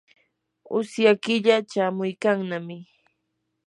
usya killa chamuykannami.